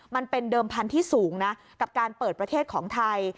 มันเป็นเดิมพันธุ์ที่สูงนะกับการเปิดประเทศของไทย